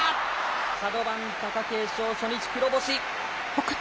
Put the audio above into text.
角番、貴景勝、初日黒星。